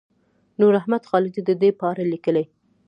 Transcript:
نوراحمد خالدي د دې په اړه لیکلي.